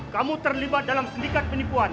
kamu terlibat dalam sindikat penipuan